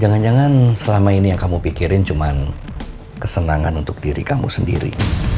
jangan jangan selama ini yang kamu pikirin cuma kesenangan untuk diri kamu sendiri